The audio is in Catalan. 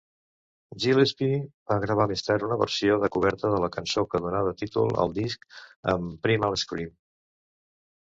Gillespie va gravar més tard una versió de coberta de la cançó que donava títol al disc amb Primal Scream.